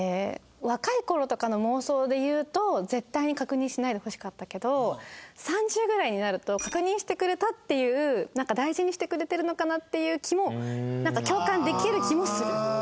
若い頃とかの妄想で言うと絶対に確認しないでほしかったけど３０ぐらいになると確認してくれたっていうなんか大事にしてくれてるのかなっていう気もなんか共感できる気もする。